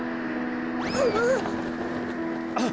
あっ。